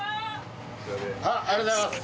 ありがとうございます。